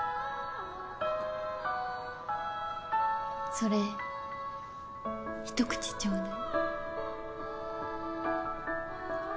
それひと口ちょうだい。